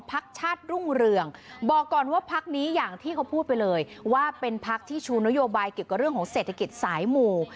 พักชาติรุ่งเรืองบอกก่อนว่าพักนี้อย่างที่เขาพูดไปเลยว่าเป็นพักที่ชูนโยบายเกี่ยวกับเรื่องของเศรษฐกิจสายหมู่